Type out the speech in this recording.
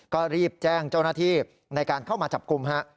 ก็รีบแจ้งเจ้าหน้าที่ในการเข้ามาจับกลุ่มฮะ